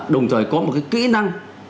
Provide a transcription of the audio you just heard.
đồng thời có một cái kỹ năng